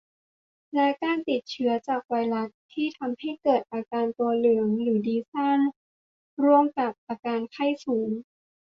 และเกิดจากเชื้อไวรัส ที่ทำให้เกิดอาการตัวเหลืองหรือดีซ่าน ร่วมกับอาการไข้สูง